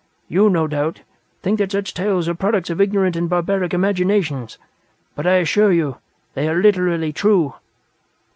You, no doubt, think that such tales are products of ignorant and barbaric imagination, but I assure you, they are literally true.